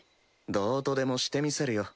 どうとでもしてみせるよ。